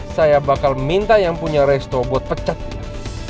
saya bakal minta yang punya resto buat pecat dia